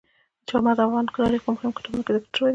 چار مغز د افغان تاریخ په مهمو کتابونو کې ذکر شوي دي.